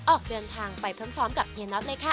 ออกเดินทางไปพร้อมกับเฮียน็อตเลยค่ะ